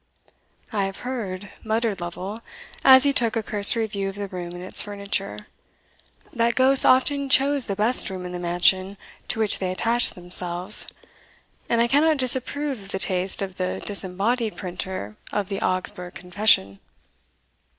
"I have heard," muttered Lovel, as he took a cursory view of the room and its furniture, "that ghosts often chose the best room in the mansion to which they attached themselves; and I cannot disapprove of the taste of the disembodied printer of the Augsburg Confession."